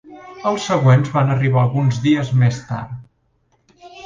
Els següents van arribar alguns dies més tard.